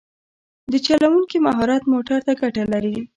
د چلوونکي مهارت موټر ته ګټه لري.